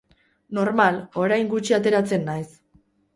Normal, orain gutxi ateratzen naiz.